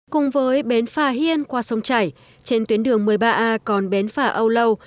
cùng với bến phà hiên qua sông chảy trên tuyến đường một mươi ba a còn bến phà âu lâu